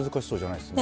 ないです。